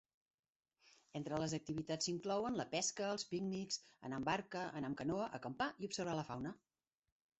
Entre les activitats s'inclouen la pesca, els pícnics, anar amb barca, anar amb canoa, acampar i observar la fauna.